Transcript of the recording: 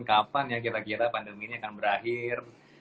kapan ya kira kira pandemi ini akan berakhir